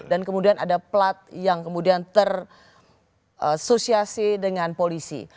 dan kemudian ada plot yang kemudian tersosiasi dengan polisi